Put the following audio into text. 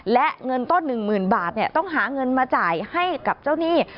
และเงินต้น๑๐๐๐บาทต้องหาเงินมาจ่ายให้กับเจ้าหนี้